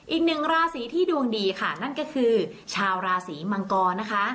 อีกหนึ่งราศีที่ดวงดีค่ะนั่นก็คือชาวราศีมังกรนะคะ